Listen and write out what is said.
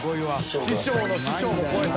師匠の師匠も超えた？